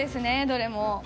どれも。